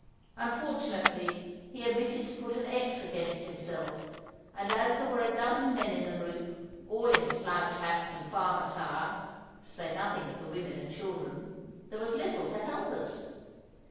Unfortunately he omitted to put a =X= against himself, and as there were a dozen men in the group all in slouch hats and farm attire (to say nothing of the women and children), there was little to help us!